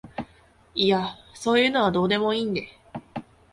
いやそういうのはどうでもいいんで